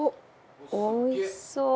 おいしそう。